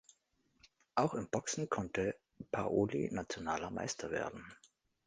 Auch im Boxen konnte Paoli nationaler Meister werden.